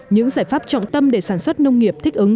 những giải pháp trọng tâm để sản xuất nông nghiệp thích ứng